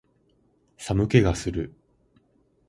寒気がする